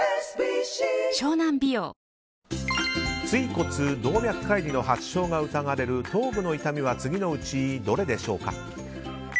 椎骨動脈解離の発症が疑われる頭部の痛みは次のうちどれでしょうか？